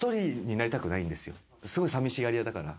すごいさみしがり屋だから。